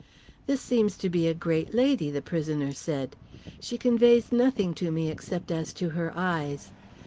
"This seems to be a great lady," the prisoner said. "She conveys nothing to me except as to her eyes.